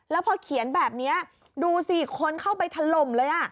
แล้วพอเขียนแบบนี้ดูสิคนเข้าไปถล่มเลย